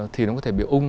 thì nó có thể bị ung